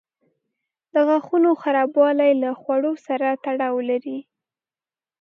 د غاښونو خرابوالی له خواړو سره تړاو لري.